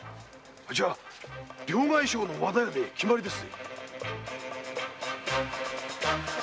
じゃ両替商の和田屋に決まりだ。